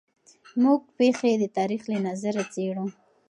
موږ پېښې د تاریخ له نظره څېړو.